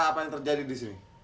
apa yang terjadi disini